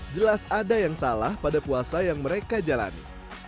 jelas ada yang salah pada puasa yang mereka jalani